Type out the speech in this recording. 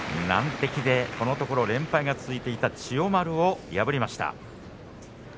番付でこのところ連敗が続いていた千代丸を破りました。